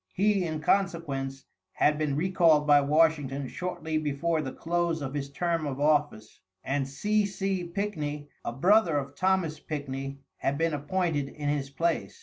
He, in consequence, had been recalled by Washington shortly before the close of his term of office, and C. C. Pickney, a brother of Thomas Pickney, had been appointed in his place.